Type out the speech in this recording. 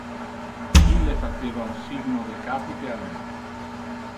Ille faceva un signo de capite a me.